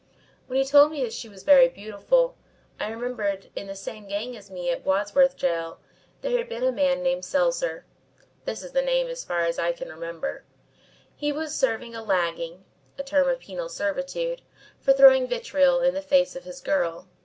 "When he told me that she was very beautiful, I remembered in the same gang as me at Wandsworth Gaol there had been a man named Selser. That is the name as far as I can remember. He was serving a lagging [a term of penal servitude] for throwing vitriol in the face of his girl.